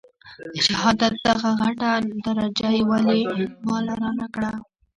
د شهادت دغه غټه درجه يې ولې ما له رانه کړه.